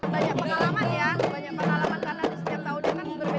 banyak pengalaman ya banyak pengalaman karena setiap tahun itu kan berbeda beda